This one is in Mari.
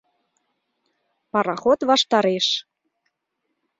Пароход ваштареш